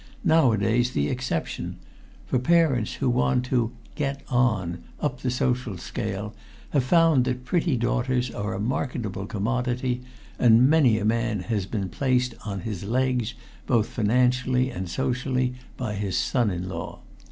nowadays the exception, for parents who want to "get on" up the social scale have found that pretty daughters are a marketable commodity, and many a man has been placed "on his legs," both financially and socially, by his son in law.